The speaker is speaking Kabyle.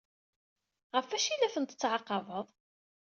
Ɣef wacu ay la ten-tettɛaqabeḍ?